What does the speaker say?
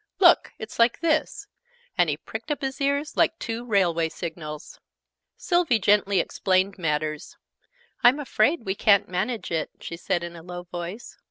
"Look! It's like this!" And he pricked up his ears like two railway signals. Sylvie gently explained matters. "I'm afraid we ca'n't manage it," she said in a low voice.